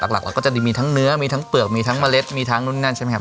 หลักเราก็จะมีทั้งเนื้อมีทั้งเปลือกมีทั้งเมล็ดมีทั้งนู่นนั่นใช่ไหมครับ